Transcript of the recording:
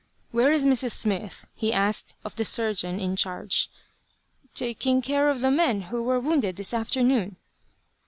"Where is Mrs. Smith?" he asked of the surgeon in charge. "Taking care of the men who were wounded this afternoon."